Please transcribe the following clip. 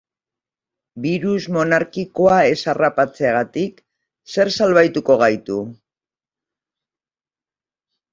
Birus monarkikoa ez harrapatzetik zerk salbatuko gaitu?